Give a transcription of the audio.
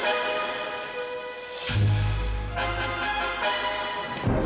selamat siang pak rufri